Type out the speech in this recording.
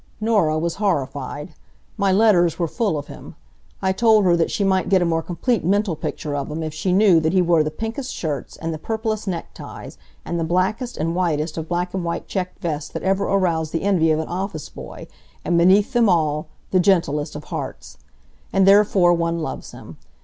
Norah was horrified. My letters were full of him. I told her that she might get a more complete mental picture of him if she knew that he wore the pinkest shirts, and the purplest neckties, and the blackest and whitest of black and white checked vests that ever aroused the envy of an office boy, and beneath them all, the gentlest of hearts. And therefore one loves him.